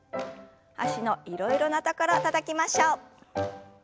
脚のいろいろなところたたきましょう。